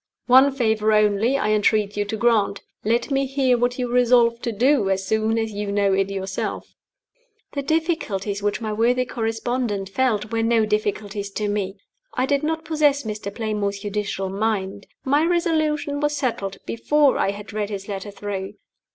One favor only I entreat you to grant let me hear what you resolve to do as soon as you know it yourself." The difficulties which my worthy correspondent felt were no difficulties to me. I did not possess Mr. Playmore's judicial mind. My resolution was settled before I had read his letter through.